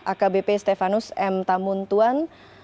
akbp stefanus m tamuntuan